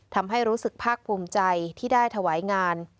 ทำให้รู้สึกภาคภูมิใจที่ได้ถวายงาน